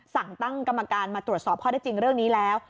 สั่งตั้งกรรมการมาตรวจสอบข้อได้จริงเรื่องนี้แล้ว